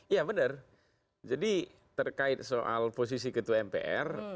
iya benar jadi terkait soal posisi ketua mpr